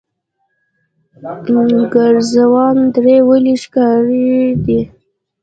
ګرزوان درې ولې ښکلې دي؟